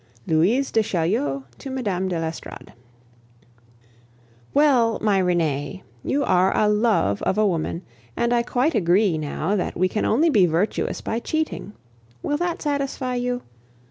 LOUISE DE CHAULIEU TO MME. DE L'ESTORADE Well, my Renee, you are a love of a woman, and I quite agree now that we can only be virtuous by cheating. Will that satisfy you?